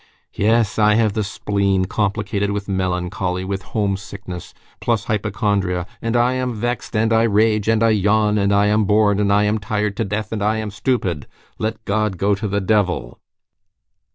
Yes, I have the spleen, complicated with melancholy, with homesickness, plus hypochondria, and I am vexed and I rage, and I yawn, and I am bored, and I am tired to death, and I am stupid! Let God go to the devil!"